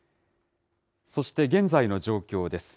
そして現在の状況です。